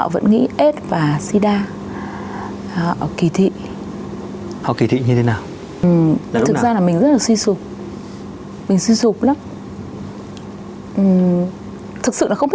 cấp một cấp hai